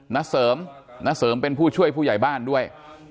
เสริมณเสริมเป็นผู้ช่วยผู้ใหญ่บ้านด้วย